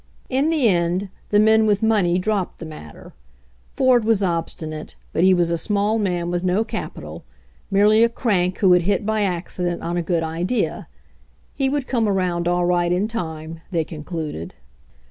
In the end the men with money dropped the matter. Ford was obstinate, but he was a small man with no capital, merely a crank who had hit by accident on a good idea; he would come around all right in time, they concluded.